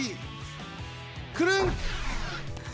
くるん。